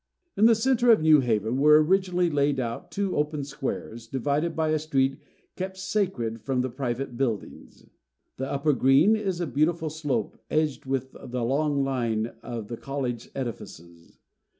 In the centre of New Haven were originally laid out two open squares, divided by a street kept sacred from private buildings. The upper green is a beautiful slope, edged with the long line of the college edifices.